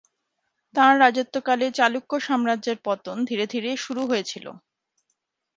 তাঁর রাজত্বকালে চালুক্য সাম্রাজ্যের পতন ধীরে ধীরে শুরু হয়েছিল।